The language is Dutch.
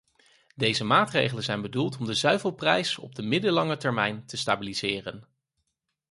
Deze maatregelen zijn bedoeld om de zuivelprijs op de middellange termijn te stabiliseren.